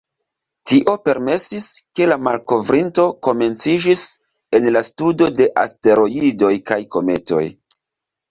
Tio permesis, ke la malkovrinto komenciĝis en la studo de asteroidoj kaj kometoj.